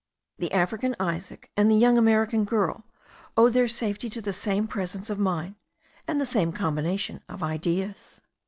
The African Isaac, and the young American girl, owed their safety to the same presence of mind, and the same combination of ideas.